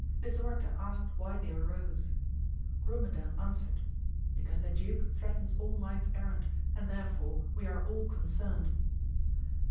Lisuarte asked why they arose. Orumedan an swered, Because the duke threatens all knights errant, and therefore we are all concerned.